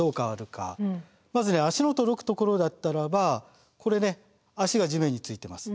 まずね足の届く所だったらばこれね足が地面に着いてます。